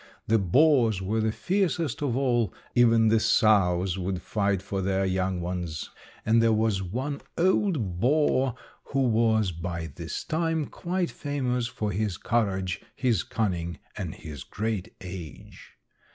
The boars were the fiercest of all, even the sows would fight for their young ones, and there was one old boar who was by this time quite famous for his courage, his cunning and his great age.